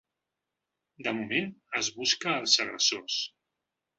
De moment es busca els agressors.